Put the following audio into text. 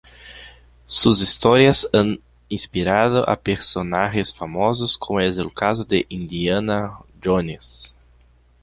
Sus historias han inspirado a personajes famosos, como es el caso de Indiana Jones.